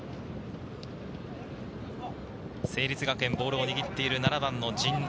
成立学園、ボールを握っている７番・陣田。